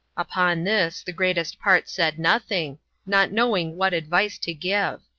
Upon thiss, the greatest part said nothing, not knowing what advice to give.